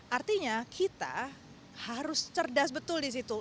artinya kita harus cerdas betul di situ